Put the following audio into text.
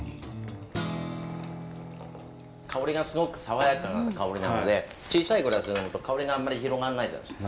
香りがすごく爽やかな香りなので小さいグラスで呑むと香りがあんまり広がんないじゃないですか。